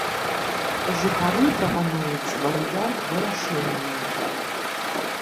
Жыхары прапануюць варыянт вырашэння.